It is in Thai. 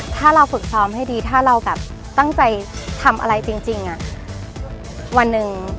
ถ้าเราฝึกซ้อมให้ดีถ้าเราแบบตั้งใจทำอะไรจริงวันหนึ่ง